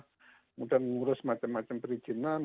kemudian mengurus macam macam perizinan